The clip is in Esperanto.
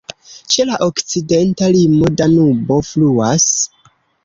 Ĉe la okcidenta limo Danubo fluas.